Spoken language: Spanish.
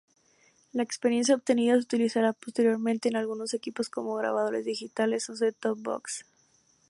La experiencia obtenida se utilizará posteriormente en algunos equipos como grabadores digitales o "set-top-box".